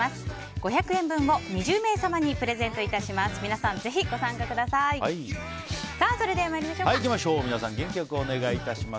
５００円分を２０名様にプレゼントいたします。